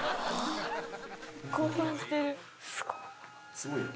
すごいの？